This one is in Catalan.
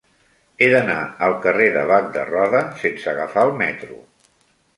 He d'anar al carrer de Bac de Roda sense agafar el metro.